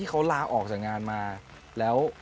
คุณต้องเป็นผู้งาน